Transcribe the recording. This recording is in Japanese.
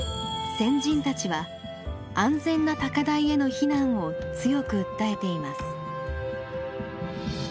先人たちは安全な高台への避難を強く訴えています。